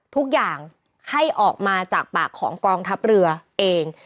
ทุกอย่างให้ออกมาจากปากของกองทัพเรือเอง